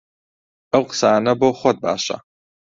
ئەو قسانە بۆ خۆت باشە!